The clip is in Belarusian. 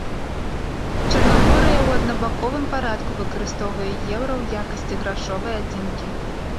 Чарнагорыя ў аднабаковым парадку выкарыстоўвае еўра ў якасці грашовай адзінкі.